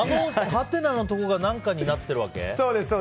はてなのところが何かになってるわけ？